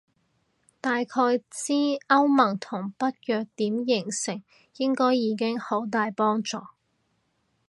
大概知歐盟同北約點形成應該已經好大幫助